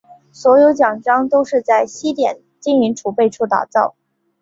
所有奖章都是在西点金银储备处打造。